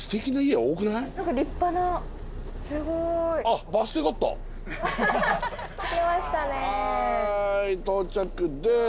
はい到着です。